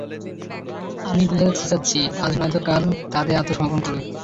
আমি বুঝাতে চাচ্ছি, আজ নয়তো কাল তাদের আত্নসমর্পণ করবে।